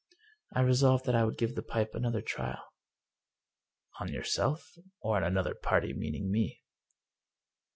I resolved that I would give the pipe another trial." " On yourself? or on another party, meaning me?